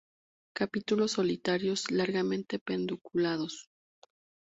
Capítulos solitarios, largamente pedunculados.